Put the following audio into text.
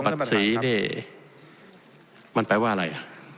บัตรศรีมันแปลว่าอะไร